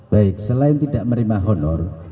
baik selain tidak menerima honor